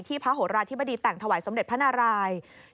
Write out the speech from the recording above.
พระโหราธิบดีแต่งถวายสมเด็จพระนาราย